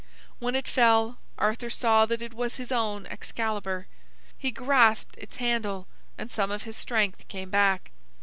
When it fell, Arthur saw that it was his own Excalibur. He grasped its handle and some of his strength came back.